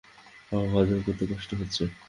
সব হজম করতে কষ্ট হচ্ছে।